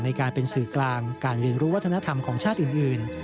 ในการเป็นสื่อกลางการเรียนรู้วัฒนธรรมของชาติอื่น